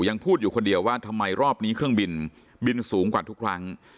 ยังพูดอยู่คนเดียวว่าทำไมรอบนี้เครื่องบินบินสูงกว่าทุกครั้ง